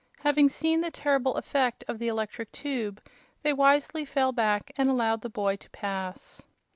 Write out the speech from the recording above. Having seen the terrible effect of the electric tube they wisely fell back and allowed the boy to pass.